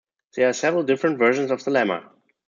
There are several different versions of the lemma.